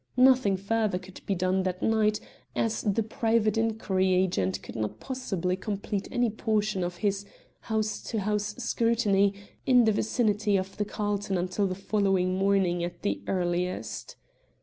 Nothing further could be done that night, as the private inquiry agent could not possibly complete any portion of his house to house scrutiny in the vicinity of the Carlton until the following morning at the earliest.